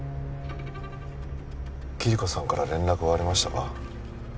キリコさんから連絡はありましたか？